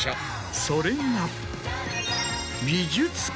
それが。